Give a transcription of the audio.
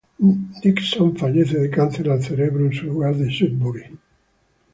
Dickson fallece de cáncer al cerebro en su hogar de Sudbury.